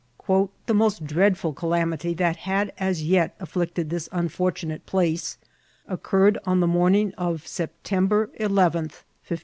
'' The most dreadful calamity that had as yet a£9ict ed this unfortunate place occurred on the morning of September 11, 1541.